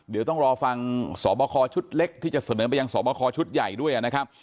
เดี๋ยวต้องรอฟังสอบคอชุดเล็กที่จะเสนอไปยังสอบคอชุดใหญ่ด้วยนะครับ